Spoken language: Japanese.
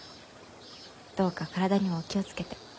どうか体にお気を付けて。